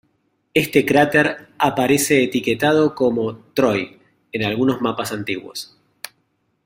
Este cráter aparece etiquetado como "Troy" en algunos mapas antiguos.